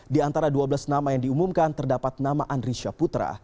di antara dua belas nama yang diumumkan terdapat nama andri syaputra